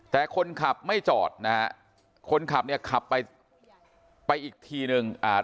แต่คนขับไม่จอดนะฮะคนขับเนี่ยขับไปไปอีกทีหนึ่งอ่า